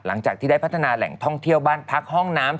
หลังจากที่ได้พัฒนาแหล่งท่องเที่ยวบ้านพักห้องน้ำ